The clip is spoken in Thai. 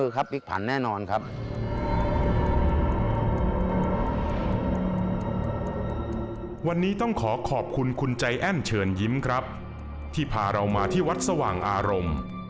วันนี้ต้องขอขอบคุณคุณใจแอ้นเชิญยิ้มครับที่พาเรามาที่วัดสว่างอารมณ์